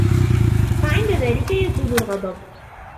فَعِنْدَ ذَلِكَ يَزُولُ الْغَضَبُ